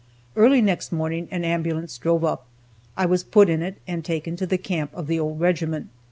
Early next morning an ambulance drove up, I was put in it, and taken to the camp of the old regiment.